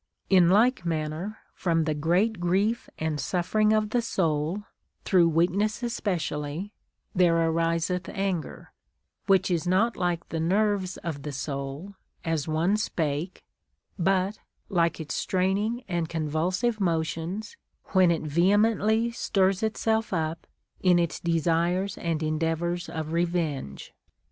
In like manner, from the great grief and suffering of the soul, through weakness especially, there ariseth anger, which is not like the nerves of the soul (as one spake), but like its straining and convulsive motions when it vehemently stirs itself up in its desires and endeav ors of revenge.